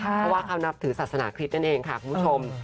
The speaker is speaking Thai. เพราะว่าเขานับถือศาสนาคริสต์นั่นเองค่ะคุณผู้ชม